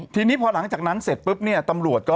ทีนี้พอหลังจากนั้นเสร็จปุ๊บเนี่ย